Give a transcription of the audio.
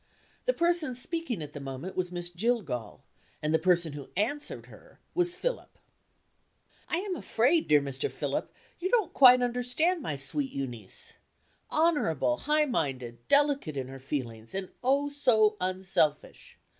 The person speaking at the moment was Miss Jillgall; and the person who answered her was Philip. "I am afraid, dear Mr. Philip, you don't quite understand my sweet Euneece. Honorable, high minded, delicate in her feelings, and, oh, so unselfish!